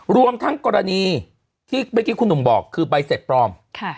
รวมทั้งกรณีที่เมื่อกี้คุณหนุ่มบอกคือใบเสร็จปลอม